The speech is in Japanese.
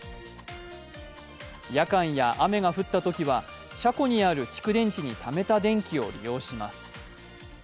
夜間や雨が降ったときは、車庫にある蓄電池にためた電気を利用します。